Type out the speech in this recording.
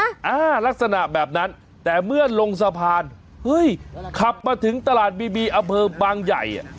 อ่าลักษณะแบบนั้นแต่เมื่อลงสะพานเฮ้ยขับมาถึงตลาดบีบีอำเภอบางใหญ่อ่ะ